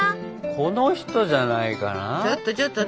この人じゃないかな？